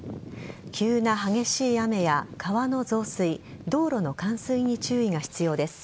急な激しい雨や川の増水道路の冠水に注意が必要です。